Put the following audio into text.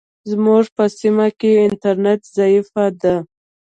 زموږ په سیمه کې انټرنیټ ضعیفه ده.